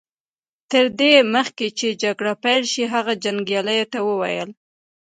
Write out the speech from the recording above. تر دې مخکې چې جګړه پيل شي هغه جنګياليو ته وويل.